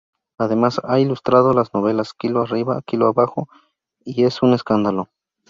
Además, ha ilustrado las novelas "Kilo arriba, kilo abajo y ¡Es un escándalo!